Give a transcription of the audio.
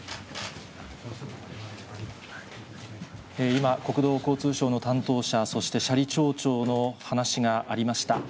今、国土交通省の担当者、そして斜里町長の話がありました。